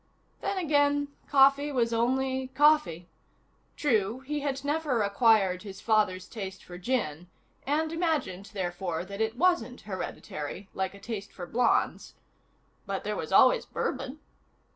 Then again, coffee was only coffee. True, he had never acquired his father's taste for gin (and imagined, therefore, that it wasn't hereditary, like a taste for blondes), but there was always bourbon.